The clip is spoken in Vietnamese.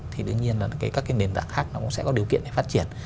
thì đương nhiên là các cái nền tảng khác nó cũng sẽ có điều kiện để phát triển